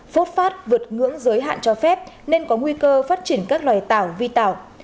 phốt phát vượt ngưỡng giới hạn cho phép nên có nguy cơ phát triển các loài tảo vi tạo